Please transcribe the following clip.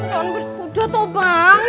jangan berkuda tuh bang